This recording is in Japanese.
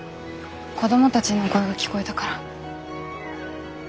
子供たちの声が聞こえたから。